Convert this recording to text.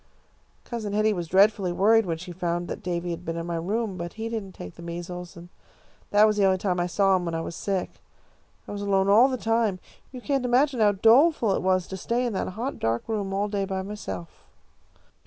"Cousin Hetty was dreadfully worried when she found that Davy had been in my room, but he didn't take the measles, and that was the only time I saw him while I was sick. I was alone all the time. You can't imagine how doleful it was to stay in that hot dark room all day by myself."